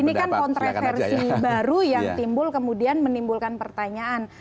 ini kan kontroversi baru yang timbul kemudian menimbulkan pertanyaan